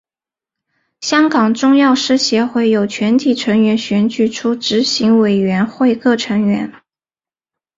香港中药师协会由全体会员选举出执行委员会各成员。